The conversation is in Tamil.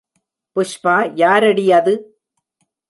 புஷ்பா யாரடி அது?